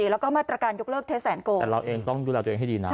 แล้วก็มาตรการยกเลิกเทสแสนโกแต่เราเองต้องดูแลตัวเองให้ดีนะ